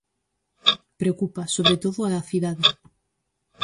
Preocupa, sobre todo, a cidade.